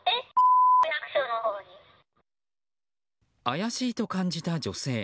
怪しいと感じた女性。